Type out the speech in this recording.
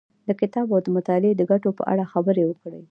د کتاب او مطالعې د ګټو په اړه خبرې وکړې.